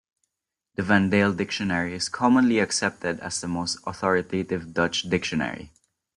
The Van Dale dictionary is commonly accepted as the most authoritative Dutch dictionary.